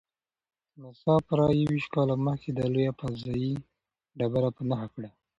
ناسا پوره یوویشت کاله مخکې دا لویه فضايي ډبره په نښه کړه.